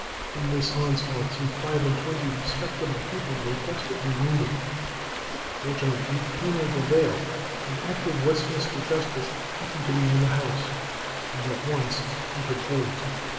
In this onslaught some five and twenty respectable people were desperately wounded. Fortunately Colonel de Veil, an active Westminster justice, happened to be in the house, and at once interposed.